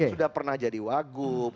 sudah pernah jadi wagub